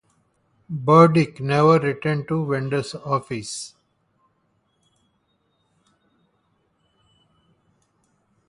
Burdick never returned to Wenders' office.